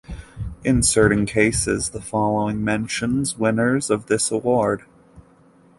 In certain cases the following mentions winners of this award.